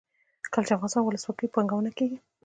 کله چې افغانستان کې ولسواکي وي پانګونه کیږي.